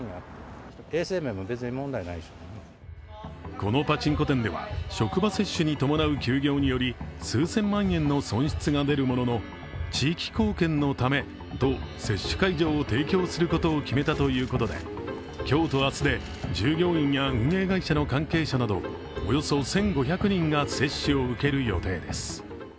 このパチンコ店では職場接種に伴う休業により、数千万円の損失が出るものの地域貢献のためと接種会場を提供することを決めたということで今日と明日で従業員や運営会社の関係者などおよそ１５００人が接種を受ける予定です。